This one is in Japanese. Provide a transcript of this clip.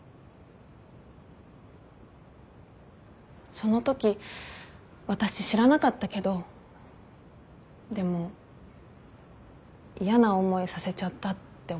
そのとき私知らなかったけどでも嫌な思いさせちゃったって思って。